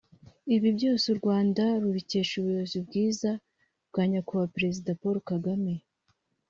ibi byose u Rwanda rurabikesha ubuyobozi bwiza bwa Nyakubahwa Perezida Paul Kagame